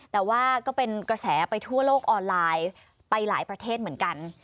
แต่ว่าก็เป็นกระแสไปทั่วโลกออนไลน์ไปหลายประเทศเหมือนกัน